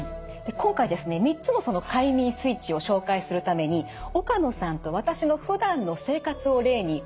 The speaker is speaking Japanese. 今回ですね３つのその快眠スイッチを紹介するために岡野さんと私のふだんの生活を例にお伝えしていきたいと思います。